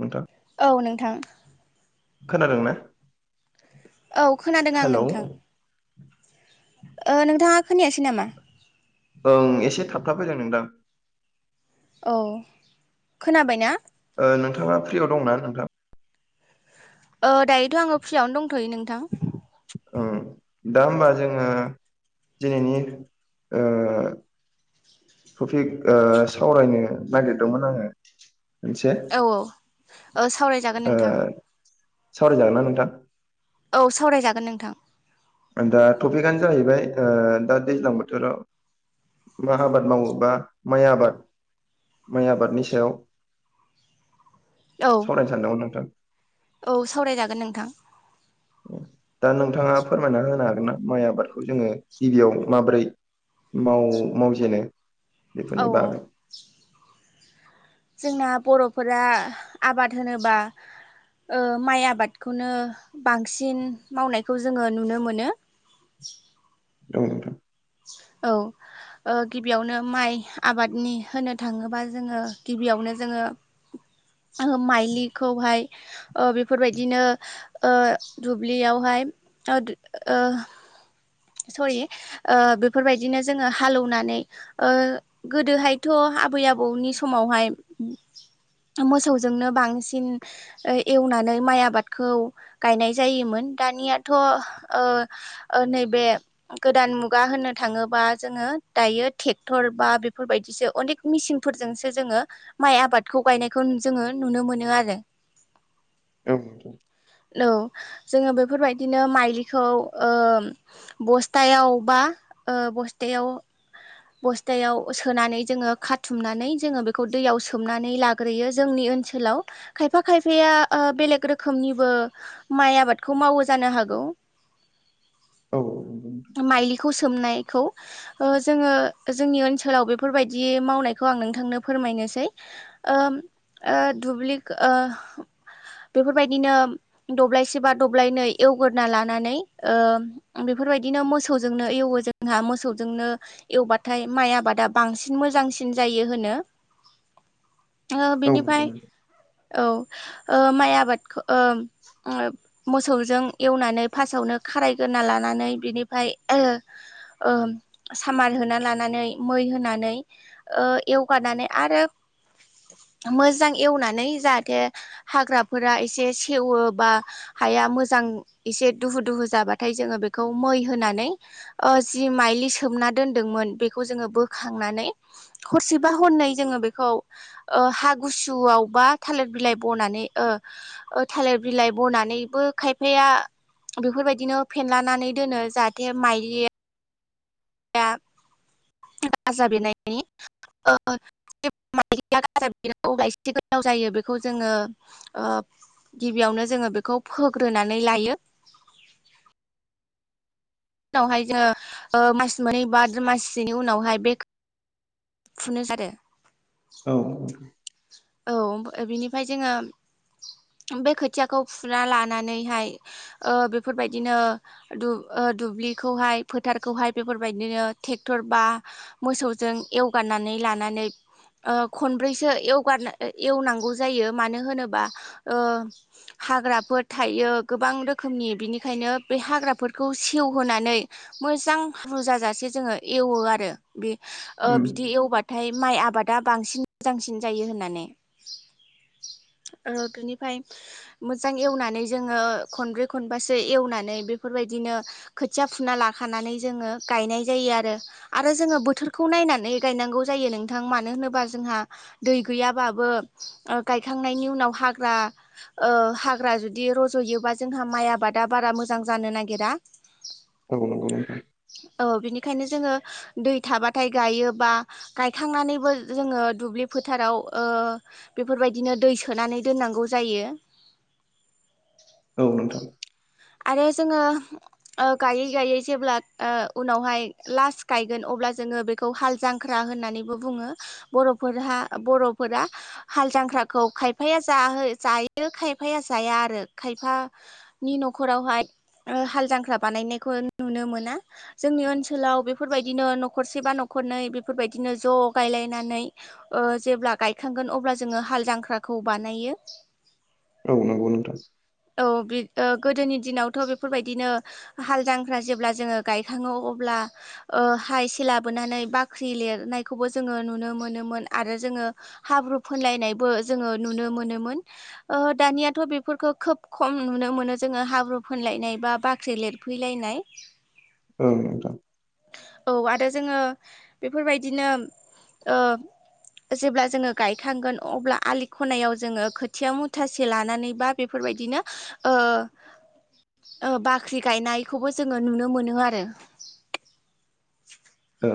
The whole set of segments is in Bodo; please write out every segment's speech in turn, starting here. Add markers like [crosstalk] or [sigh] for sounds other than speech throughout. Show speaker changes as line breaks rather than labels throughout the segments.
नोंथां
औ नोंथां।
खोनादों ना?
औ खोनादों आं नोंथां। ओ नोंथाङा खोनायासै नामा?
ओं [unintelligible] फैदों नोंथां।
औ खोनाबाय ना?
ओं नोंथाङा फ्रियाव दं ना नोंथां?
ओ दायोथ' आङो फ्रियावनो दंथ'यो नोंथां।
ओ दा होमबा जोङो दिनैनि ओ टपिक ओ सावरायनो नागिरदोंमोन आङो। मोनसे
औ औ ओ सावरायजागोन
ओ
नोंथां
सावरायजागोन ना नोंथां?
औ सावरायजागोन नोंथां।
दा टपिकआनो जाहैबाय ओ दा दैज्लां बोथोरा मा आबाद मावो बा माइ आबाद माइ आबादनि सायाव
औ
सावरायनो सानदोंमोन नोंथां।
औ सावरायजागोन नोंथां।
दा नोंथाङा फोरमायना होनो हागोन ना माइ आबादखौ जोङो गिबियाव माबोरै मावजेनो?
औ
बेफोरनि
औ
बागै।
जोंना बर'फोरा आबाद होनोबा माइ आबादखौनो बांसिन मावनायखौ जोङो नुनो मोनो।
[unintelligible]
औ गिबियावनो माइ आबादनि होनो थाङोबा जोङो गिबियावनो जोङो
[inaudible]
ओ माइलिखौहाय ओ बेफोरबायदिनो ओ दुब्लियावहाय ओद ओ सरि ओ बेफोरबायदिनो जोङो हालौवनानै ओ गोदोहायथ' आबै आबौनि समावहाय मोसौजोंनो बांसिन ओ एवनानै माइ आबादखौ गायनाय जायोमोन। दानियाथ' ओ ओ नैब बे गोदान मुगा होननो थाङोबा जोङो दायो ट्रेक्टर बा बेफोरबायदिसो अनेख मिसिन फोरजोंसो जोङो माइ आबादखौ गायनायखौ जोङो नुनो मोनो आरो।
औ।
औ जोङो बेफोरबायदिनो माइलिखौ ओ बस्थायाव बा बस्थायाव बस्थायाव सोनानै जोङो खाथुमनानै जोङो बेखौ दैयाव सोमनानै लाग्रोयो जोंनि ओनसोलाव खायफा खायफाया ओ बेलेग रोखोमनिबो माइ आबादखौ मावो जानो हाग गौ।
[unintelligible]
माइलिखौ सोमनायखौ ओ जोङो जोंनि ओनसोलाव बेफोरबायदि मावनायखौ आं नोंथांनो फोरमायनोसै। ओ ओ दुब्लि ओ बेफोरबायदिनो दब्लायसे बा दब्लायनै एवग्रोना लानानै ओ बेफोरबायदिनो मोसौजोंनो एवो जोंहा मोसौजोंनो एवबाथाय माइ आबादा बांसिन मोज जांसिन जायो होनो।
[inaudible]
ओ
औ नंगौ
बेनिफ्राय
नोंथां
औ। ओ माइ आबादखो ओ मोसौजों एवनानै फास्टावनो खारायग्रोना ला लानानै बिनिफ्राय ओ ओ सामार होना लानानै मै होनानै ओ एवगारनानै आरो मोजां एवनानै जाहाथे हाग्राफोरा एसे सेवो बा हाय या मोजां इसे दुहु दुहु जाबाथाय जों बेख खौ मै होनानै ओ जि माइलि सोमना दोनदोंमोन बेखौ जोङो बोखांनानै हरसेबा हरनै जोङो बेखौ ओ हा गुसुआव बा थालिर बिलाइ बनानै ओ ओ थालिर बिलाइ बनानैबो खायफाया बेफोरबायदिनो फेनलानानै दोनो जाहाथे माइलि या गाजा बेरनायनि ओ [unintelligible] बेखौ जोङो ओब गिबियावनो जोङो बेखौ फोग्रोनानै लायो।
[inaudible]
उनावहाय जोङो ओ मास मोननै बा माससोनि उनावहाय बेख फुनो जादो
औ औ।
औ बिनिफ्राय जोङो बे खोथियाखौ फुना लानानैहाय ओ बेफोरबायदिनो दु ओ दुब्लिखौहाय फोथारखौहाय बेफोरबायदिनो ट्रेक्टर बा मोसौजों एवगारनानै नै लानानै ओ खनब्रैसो एवगारना एवनांगौ जायो मानो होनोबा ओ हाग्राफोर थायो गोबां रो रोखोमनि बिनिखायनो बे हाग्राफोरखौ सेवहोनानै मोजां रुजाजासे जोङो ए एवो आरो बे ओ
उम
बिदि एवबाथाय माइ आबादा बांसिन मोजांसिन जायो होननानै।
[inaudible]
ओ बिनिफ्राय मोजां एवनानै जोङो खनब्रै खनबासो एवनानै बेफोरबायदि नो खोथिया फुना लाखानानै जोङो गायनाय जायो आरो जोङो बोथोरखौ नायनानै गायनांगौ जायो नोंथां मानो होनोबा जोंहा दै गैया बाबो ओ गायखांनायनि उनाव हाग्रा ओ हाग्रा जुदि रज'योब जों माइ आबादा बारा मोजां जानो नागिरा।
औ नंगौ नोंथां।
औ बिनिखायनो जोङो दै थाबाथाय गायोबा गायखांनानैबो जोङो दुब्लि फोथाराव ओ बेफोरबायदिनो दै सोनानै दोननांगौ जायो।
औ नोंथां।
आरो जोङो ओ गायै गायै जेब्ला ओ उनावहाय लास्ट गायगोन अ अब्ला बेखौ हालजांख्रा होननानैबो बुङो। बर'फोरहा बर'फोरा हालजां जांख्राखौ खायफाया जा जायो खायफाया जाया आरो खायफानि नख नखरावहाय ओ हाल जांख्रा बानायनायखौ नुनो मोना जोंनि ओनसोलाव बेफोरबायदिनो न'खरसे बा न'खरनै बेफोरबायदिनो ज' गायलायनानै ओ जेब्ला गायखांगोन अब्ला जोङो हाल जांख्राखौ बानायो
औ नंगौ नोंथां
औ गोदोनि दिनावथ' बेफोरबायदिनो हालजांख्रा जेब्ला जोङो गायखाङो अब्ला ओ हा एसे लाबोनानै बाख्रि लिरनायखौबो जोङो नुनो मोनोमोन आरो जोङो हाब्रु फोन लायनायबो जोङो नुनो मोनोमोन। ओ दानियाथ' बेफोरखौ खोब खम नुनो मोनो। जोङो हाब्रु फोनलायनाय बा बाख्रि लिरफैलायनाय
औ नोंथां।
औ आरो जोङो बेफोरबायदिनो ओ जेब्ला जोङो गायखांगोन अब्ला आलि खनायाव जोङो खोथिया मुथासे लानानै बा बेफोर बिदिनो ओ ओ बाख्रि गायनायखौबो जोङो नुनो मोनो आरो।
ओ।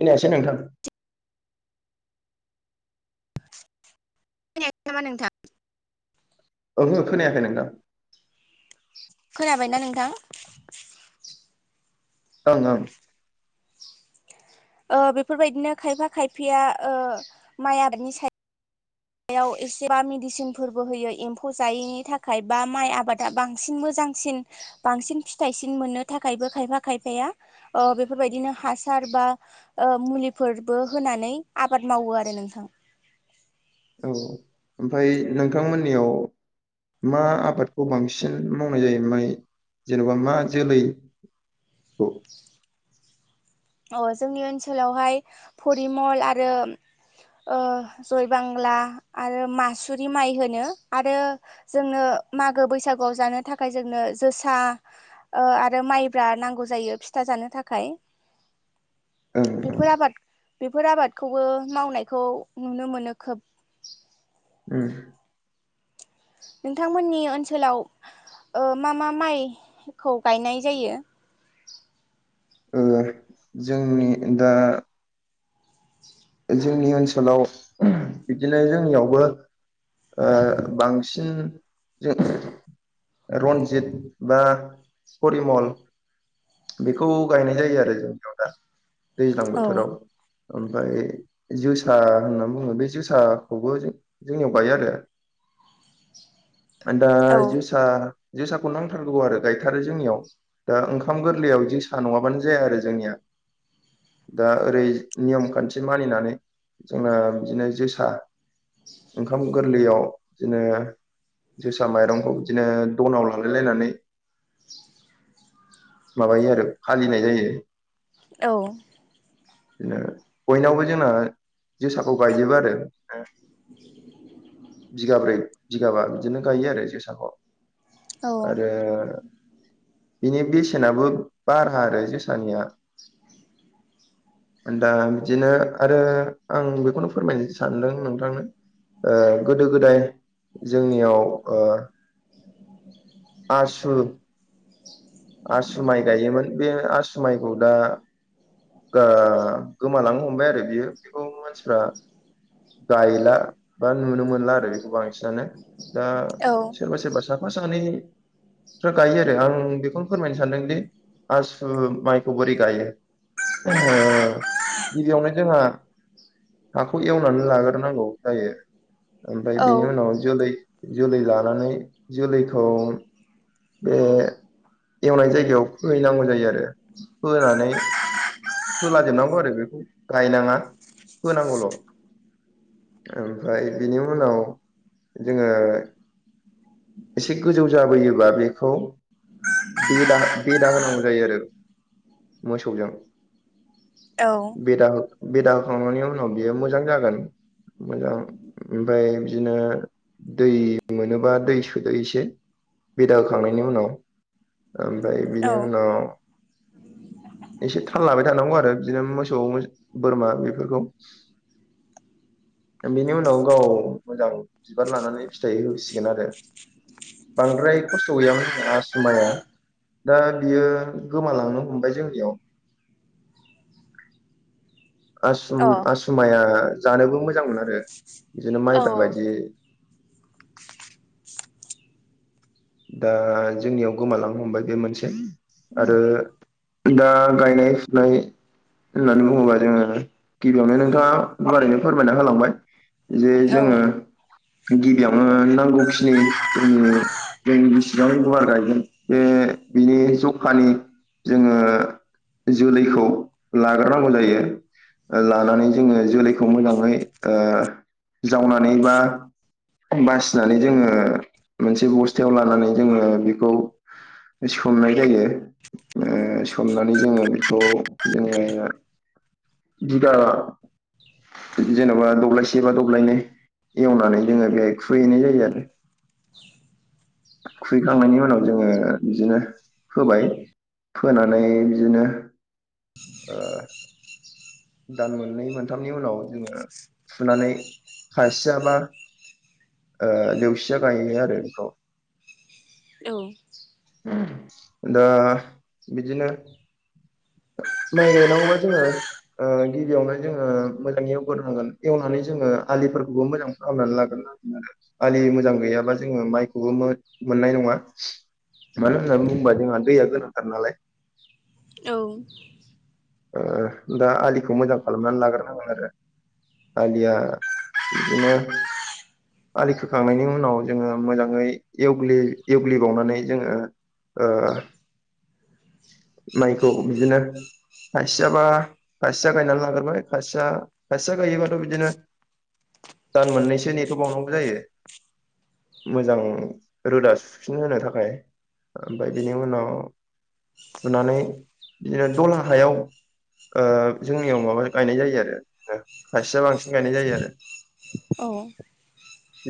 खोनायासै नोंथां।
खोनायाखै नामा नोंथां?
ओहो खोनायाखै नोंथां।
खोनाबायना नोंथां?
ओं ओं।
ओ बेफोरबायदिनो खायफा खायफिया ओ माइ आबादनि सायाव हायाव एसेबा मेडिसिनफोरबो होयो एम्फौ जायैनि थाखाय बा माइ आबादा बांसिन मोजां बांसिन बांसिन फिथाइसिन मोननो थाखायबो खायफा खायफाया ओ बेफोरबायदिनो हासार बा ओ मुलिफोरबो होनानै आबाद मावो आरो नोंथां।
औ ओमफ्राय नोंथांमोननियाव मा आबादखौ बांसिन मावनाय जायो माय जेन'बा मा जोलै? औ।
अ जोंनि ओनसोलावहाय परिमल आरो ओ जय बांला आरो मासुरि माइ होनो आरो जोंङो मागो बैसागुआव जानो थाखाय जोंनो जोसा ओ आरो माइब्रा नांगौ जायो फि फिथा जानो थाखाय
[inaudible] ओं ओं
बेफोर आबाद बेफोर आबादखौबो मावनायखौ नुनो मोनो खोब
उम
नोंथांमोननि ओनसोलाव ओ मा मा माइखौ गायनाय जायो?
[inaudible] ओ जोंनि दा जोंनि ओनसोलाव बिदिनो जोंनियावबो ओ बांसिन जों रन्जित बा परिमल बेखौ गायनाय जायो आरो जोंनियाव दा दैज्लां
औ
बोथोराव ओमफ्राय जोसा होननानै बुङो बे जोसाखौबो जोंनियाव गायो आरो दा
औ
जोसा जोसाखौ नांथारगौ आरो गायथारो जोंनियाव दा ओंखाम गोरलैयाव जोसा नंङाबानो जाया आरो जोंनिया दा ओरै नियम खान्थि मानिनानै जोंना बिदिनो जोसा ओंखाम गोरलैयाव बिदिनो जोसा माइरंखौ बिदिनो दनाव लांलायलायनानै माबायो आरो फालिनाय जायो
औ
बिदिनो बयनावबो जोंना जोसाखौ गायजोबो आरो बिगाब्रै बिगाबा बिदिनो गायो आरो जोसाखौ
औ
आरो बिनि बेसेनाबो बारा आरो जोसानिया मोन दा बिदिनो आरो आं बेखौनो फोरमायनो सानदों नोंथांनो ओ गोदो गोदाय जोंनियाव ओ आसु आसु माइ गायोमोन बे आसु माइखौ दा ओ गोमालांनो हमबाय आरो बियो बेखौ मानसिफ्रा गायला बा नुनो मोनला आरो बेखौ बांसिनानो दा
औ
सोरबा सोरबा साफा सानैफ्रा गायो आरो आं बेखौनो फोरमायनो सानदोंदि आसु माइखौ बोरै गायो गिबियावनो जोंहा हाखौ एवनानै लाग्रोनांगौ जायो ओमफ्राय
औ
बेनि उनाव जोलै जोलै लानानै जोलैखौ बे एवनाय जायगायाव फोहैनांगौ जायो आरो फोनानै फोला जोबनांगौ आरो बेखौ गायनाङा फोनांगौल' ओमफ्राय बिनि उनाव जोङो एसे गोजौ जाबोयोबा बेखौ बेदा बेदा होनांगौ जायो आरो मोसौजों
औ अ औ
बेदा बेदा होखांनायनि उनाव बियो मोजां जागोन मोजां ओमफ्राय बिदिनो दै मोनोबा दै सोदो इसे बिदा होखांनायनि उनाव ओमफ्राय बिनि उनाव एसे थाल लाबाय थानांगौ आरो बिदिनो मोसौ बोरमा बेफोरखौ बेनि उनाव गाव मोजां बिबार लानानै फिथाइ होसिगोन आरो बांद्राय खस्थ' गैयामोन होनो आसु माया दा बियो गोमालांनो हमबाय जोंनियाव। [inaudible] आसुम
औ
आसुमाइया जानोबो मोजांमोन आरो बिदिनो माइब्रा बायदि दा जोंनियाव गोमालांनो हमबाय बे मोनसे आरो दा गायनाय फुनाय होननानै बुङोबा जोङो गिबियावनो नोंथाङा गुवारैनो फोरमायना होलांबाय जे जोङो गिबियावनो नांगौखिनि जोंनि जोंनि बिसिबां गुवार गायगोन बे बिनि जखानि जोङो जोलैखौ लाग्रोनांगौ जायो। ओ लानानै जोङो जोलैखौ मोजाङै ओ जावनानै बा बासिनानै जोङो मोनसे बस्थायाव लानानै जोङो बेखौ सोमनाय जायो। ओ सोमनानै जोङो बेखौ जोङो बिगा जेनेबा दब्लायसे बा दब्लायनै एवनानै जोङो बेहाय खुहैनाय जायो आरो खुहैखांनायनि उनाव जोङो बिदिनो होबाय फोनानै बिदिनो ओ दान मोननै मोनथामनि उनाव जोङो फुनानै खायसियाबा ओ नेवसिया गायो आरो बेखौ
औ।
उम दा बिदिनो माइ गायनांगौबा जोङो ओ गिबियावनो जोङो मोजाङै एवग्रोनांगोन एवना माने जोङो आलिफोरखौबो मोजां फाहामनानै लागोर नांगोन आरो आलि मोजां गैयाब्ला जोङो माइखौबो मो मोननाय नङा मानो होननानै बुङोबा जोंहा दैया गोनांथार नालाय
औ
ओ दा आलिखौ मोजां खालामनानै लाग्रोनांगोन आरो आलिया बिदिनो आलि खोखांनायनि उनाव जोङो मोजाङै एवग्लि एवग्लिबावनानै जोङो ओ माइखौ बिदिनो खासिया बा खासिया गायनानै लागोरबाय खासिया खासिया गायोबाथ' बिदिनो दान मोननैसो नेथ' बावनांगौ जायो। मोजां रोदा सुफिन होनो थाखाय ओमफाय बिनि उनाव सुनानै बिदिनो दला हायाव ओ जोंनियाव माबा गायनाय जायो आरो ओ खासिया बांसिन गायनाय जायो आरो
औ।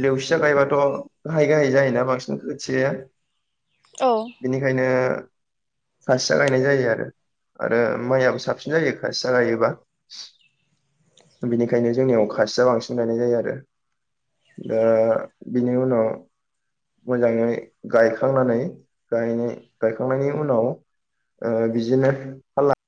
लेवसिया गायबाथ' गाहाय गाहाय जायोना बांसिन खोथियाया
औ
बेनिखायनो खासिया गायनाय जायो आरो आरो माइआबो साबसिन जायो खासिया गायोबा बिनिखायनो जोंनियाव खासिया बांसिन गायनाय जायो आरो दा बिनि उनाव मोजाङै गायखांनानै गायनि गायखांनायनि उनाव ओ बिदिनो फालला